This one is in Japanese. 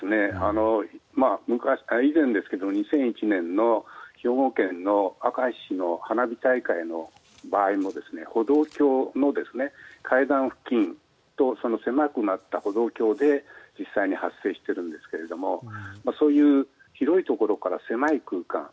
以前２００１年の兵庫県の明石市の花火大会の場合も歩道橋の階段付近と狭くなった歩道橋で実際に発生しているんですがそういう広いところから狭い空間